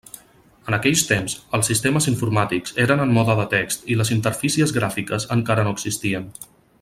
En aquells temps, els sistemes informàtics eren en mode de text i les interfícies gràfiques encara no existien.